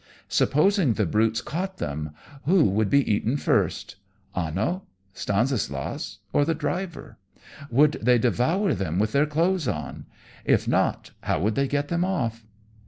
Supposing the brutes caught them, who would be eaten first? Anno, Stanislaus, or the driver? Would they devour them with their clothes on? If not, how would they get them off?